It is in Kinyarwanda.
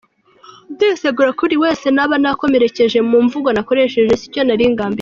Ndisegura kuri buri wese naba nakomerekeje mu mvugo nakoresheje sicyo nari ngambiriye.